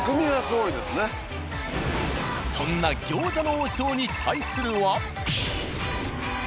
そんな「餃子の王将」に対するは。